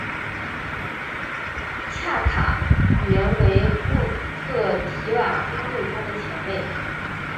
恰卡原为穆特提瓦军队中的前卫。